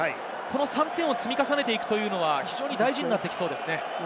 ３点を積み重ねていくのは大事になってきそうですね。